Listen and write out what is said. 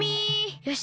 よし！